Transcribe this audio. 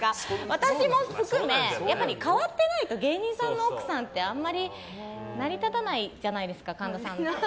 私も含め、変わってないと芸人さんの奥さんってあんまり成り立たないじゃないですか。